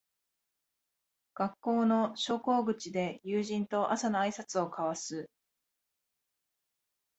学校の昇降口で友人と朝のあいさつを交わす